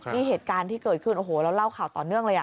นี่เหตุการณ์ที่เกิดขึ้นโอ้โหเราเล่าข่าวต่อเนื่องเลย